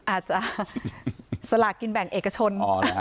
อาจจะสลากกินแบ่งเอกชน